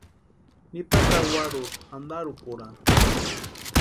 Nipa kawarurhu antarhukurani.